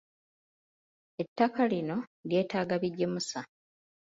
Attaka lino lyetaaga bigimusa.